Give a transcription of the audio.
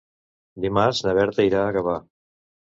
Dimarts na Berta irà a Gavà.